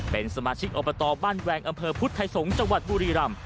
เป็นสมาชิกอบตบ้านแวงอำเภอพุทธไทยสงศ์จังหวัดบุรีรำ